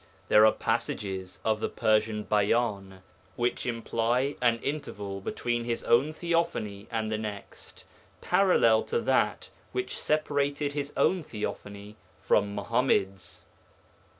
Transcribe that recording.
There are passages of the Persian Bayan which imply an interval between his own theophany and the next parallel to that which separated his own theophany from Muḥammad's.